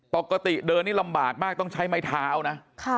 ปกติเดินนี่ลำบากมากต้องใช้ไม้เท้านะ